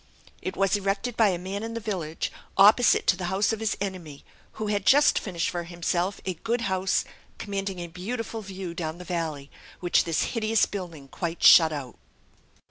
It was erected by a man in the village, opposite to the house of his enemy, who had just finished for himself a good house, commanding a beautiful view down the valley, which this hideous building quite shut out."